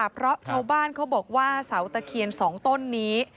เพราะชาวบ้านเขาบอกว่าเสาตะเคียน๒ต้นนี้